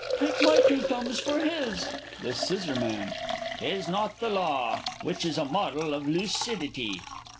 Take my two thumbs for his! The S. 'Tis not the law Which is a model of lucidity.